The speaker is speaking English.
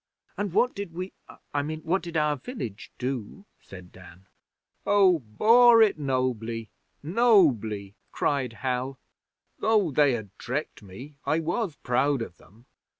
'And what did we I mean, what did our village do?' said Dan. 'Oh! Bore it nobly nobly,' cried Hal. 'Though they had tricked me, I was proud of them.